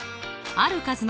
ある数を。